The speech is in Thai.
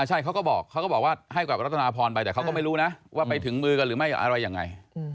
ใช่เขาก็บอกเขาก็บอกว่าให้กับรัฐนาพรไปแต่เขาก็ไม่รู้นะว่าไปถึงมือกันหรือไม่อะไรยังไง